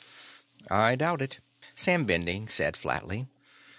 "I doubt it," Sam Bending said flatly.